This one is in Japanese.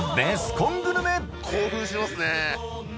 興奮しますね